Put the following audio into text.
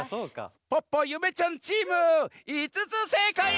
ポッポゆめちゃんチーム５つせいかい！